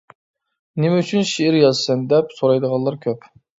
«نېمە ئۈچۈن شېئىر يازىسەن؟ » دەپ سورايدىغانلار كۆپ.